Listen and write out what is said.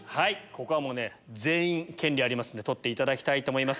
ここは全員権利ありますんで取っていただきたいと思います。